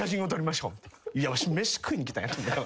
いやわし飯食いにきたんやと。